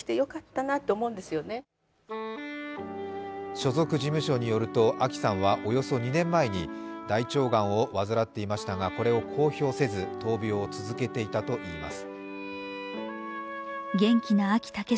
所属事務所によると、あきさんはおよそ２年前に大腸がんを患っていましたが、これを公表せず闘病を続けていたといいます。